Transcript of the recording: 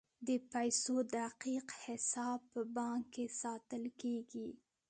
د پیسو دقیق حساب په بانک کې ساتل کیږي.